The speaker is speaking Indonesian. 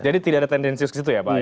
jadi tidak ada tendensi kesitu ya pak